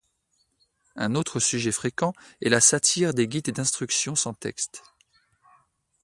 Un autre sujet fréquent est la satire des guides d'instructions sans texte.